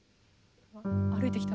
歩いてきた。